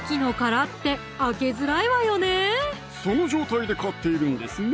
その状態で買っているんですね